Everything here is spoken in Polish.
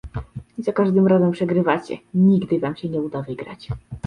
"Za każdym razem przegrywacie, nigdy wam się nie uda wygrać